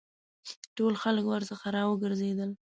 ټول خلک ورڅخه را وګرځېدل.